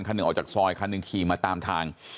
หนึ่งออกจากซอยคันหนึ่งขี่มาตามทาง